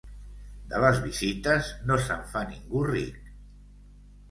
De les visites no se'n fa ningú ric.